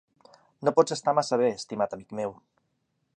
No pots estar massa bé, estimat amic meu.